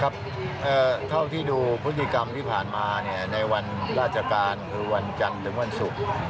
เท่าที่ดูพฤติกรรมที่ผ่านมาในวันราชการคือวันจันทร์ถึงวันศุกร์